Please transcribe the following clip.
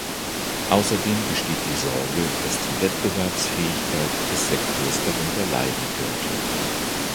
Außerdem besteht die Sorge, dass die Wettbewerbsfähigkeit des Sektors darunter leiden könnte.